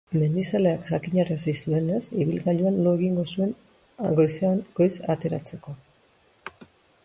Mendizaleak jakinarazi zuenez, ibilgailuan lo egingo zuen goizean goiz ateratzeko.